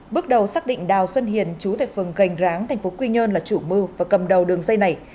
bước đầu xác định đào xuân hiền chú tệ phần gành ráng thành phố quy nhơn là chủ mưu và cầm đầu đường dây này